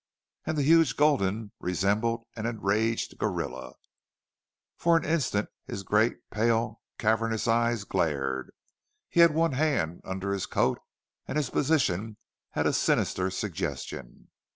And the huge Gulden resembled an enraged gorilla. For an instant his great, pale, cavernous eyes glared. He had one hand under his coat and his position had a sinister suggestion.